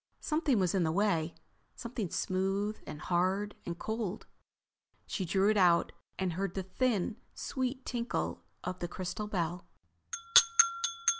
Something was in the way—something smooth and hard and cold. She drew it out and heard the thin, sweet tinkle of the crystal bell.